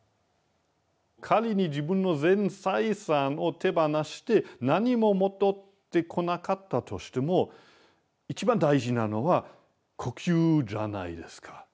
仮に自分の全財産を手放して何も戻ってこなかったとしても一番大事なのは呼吸じゃないですか。